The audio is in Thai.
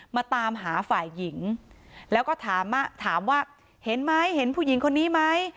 มาตามหาฝ่ายหญิงแล้วก็ถามว่าเห็นไหมเห็นผู้หญิงคนนี้ไหม